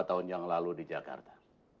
dua tahun yang lalu di jakarta